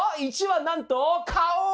１はなんと顔！